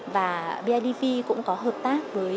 và bidv cũng có hợp tác với